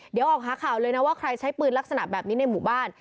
เดี๋ยวออกหาข่าวเลยนะว่าใครใช้ปืนลักษณะแบบนี้ในหมู่บ้าน